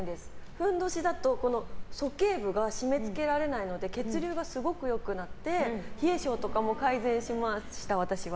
ふんどしだとそけい部が締め付けられないので血流がすごく良くなって冷え性とかも改善しました、私は。